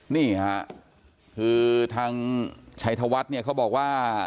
นี่ค่ะคือทางชัยธวัฒน์เนี่ยเขาบอกว่า